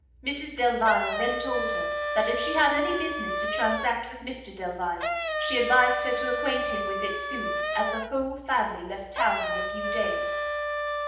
Mrs Delvile then told her that if she had any business to transact with Mr Delvile, she advised her to acquaint him with it soon, as the whole family left town in a few days.